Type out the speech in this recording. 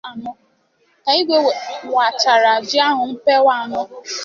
Ka Igwe wachaara ji ahụ mpewa anọ